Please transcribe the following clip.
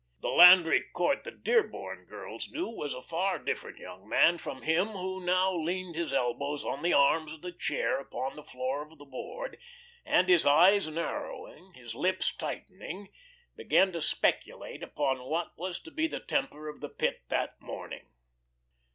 The Landry Court the Dearborn girls knew was a far different young man from him who now leaned his elbows on the arms of the chair upon the floor of the Board, and, his eyes narrowing, his lips tightening, began to speculate upon what was to be the temper of the Pit that morning.